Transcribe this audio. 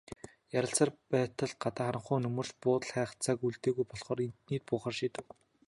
Ярилцсаар байтал гадаа харанхуй нөмөрч, буудал хайх цаг үлдээгүй болохоор эднийд буухаар шийдэв.